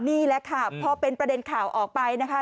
นี่แหละค่ะพอเป็นประเด็นข่าวออกไปนะคะ